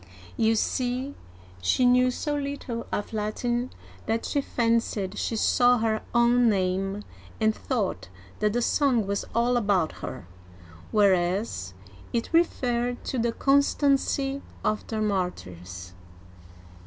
You see, she knew so little of Latin that she fancied she saw her own name, and thought that the song was all about her, whereas it referred to the constancy of the martyrs